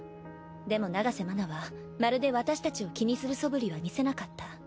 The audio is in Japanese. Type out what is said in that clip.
でも長瀬麻奈はまるで私たちを気にするそぶりは見せなかった。